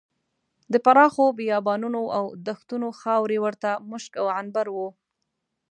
د پراخو بیابانونو او دښتونو خاورې ورته مشک او عنبر وو.